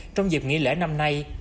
trong dịp nghỉ lễ năm nay